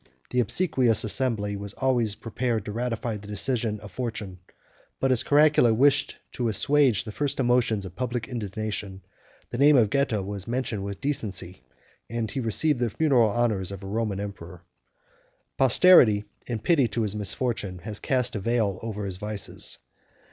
The obsequious assembly was always prepared to ratify the decision of fortune; 231 but as Caracalla wished to assuage the first emotions of public indignation, the name of Geta was mentioned with decency, and he received the funeral honors of a Roman emperor. 24 Posterity, in pity to his misfortune, has cast a veil over his vices.